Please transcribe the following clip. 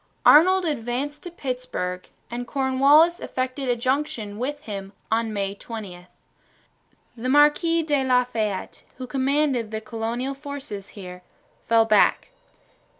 Arnold advanced to Petersburg and Cornwallis effected a junction with him on May 20. The Marquis de la Fayette, who commanded the colonial forces here, fell back.